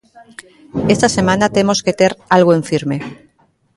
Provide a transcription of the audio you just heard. "Esta semana temos que ter algo en firme".